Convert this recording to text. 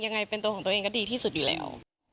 ยังไงเป็นตัวของตัวเองก็ดีที่สุดอยู่แล้ว